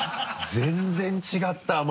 全然違ったわ。